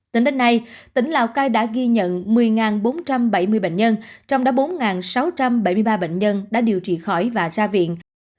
tính đến nay tỉnh lào cai đã ghi nhận một mươi bốn trăm bảy mươi bệnh nhân trong đó bốn sáu trăm bảy mươi ba bệnh nhân đã điều trị khỏi và ra viện